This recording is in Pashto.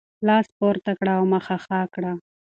لاس پورته کړه او مخه ښه وکړه.